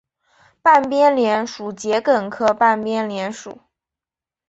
半边莲属桔梗科半边莲属。